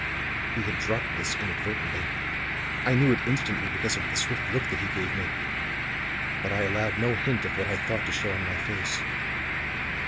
He had dropped this inadvertently. I knew it instantly because of the swift look that he gave me. But I allowed no hint of what I thought to show in my face.